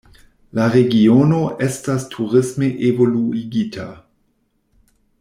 La regiono estas turisme evoluigita.